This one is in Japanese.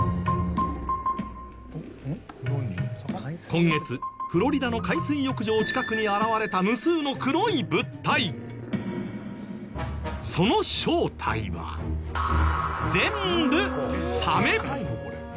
今月フロリダの海水浴場近くに現れたその正体は全部サメ！